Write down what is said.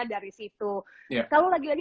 dari situ kalau lagi lagi